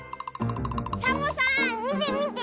サボさんみてみて！